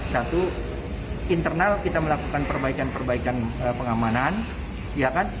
satu internal kita melakukan perbaikan perbaikan pengamanan